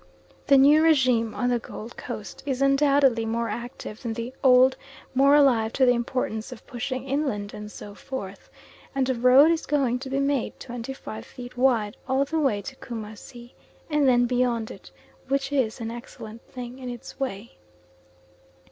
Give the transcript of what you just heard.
The new regime on the Gold Coast is undoubtedly more active than the old more alive to the importance of pushing inland and so forth and a road is going to be made twenty five feet wide all the way to Coomassie, and then beyond it, which is an excellent thing in its way.